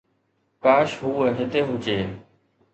ڪاش هوءَ هتي هجي